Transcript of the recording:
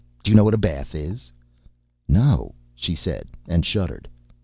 Do you know what a bath is?" "No," she said, and shuddered.